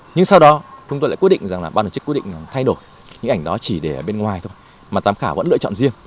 nhưng sau đó chúng tôi lại quyết định rằng là ban tổ chức quyết định thay đổi những ảnh đó chỉ để ở bên ngoài thôi mà giám khảo vẫn lựa chọn riêng